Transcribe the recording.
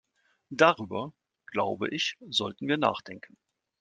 Darüber, glaube ich, sollten wir nachdenken.